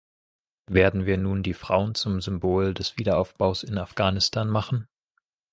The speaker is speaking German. Werden wir nun die Frauen zum Symbol des Wiederaufbaus in Afghanistan machen?